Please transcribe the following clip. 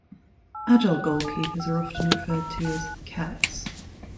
Agile goalkeepers are often referred to as cats.